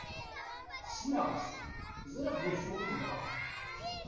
Ssneɣ-tt, ẓriɣ d acu i tebɣa.